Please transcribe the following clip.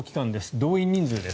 動員人数です。